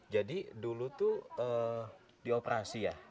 jadi dulu tuh dioperasi ya